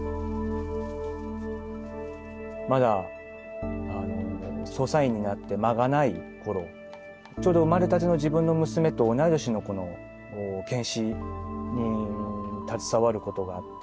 まだ捜査員になって間がない頃ちょうど生まれたての自分の娘と同い年の子の検視に携わることがあって。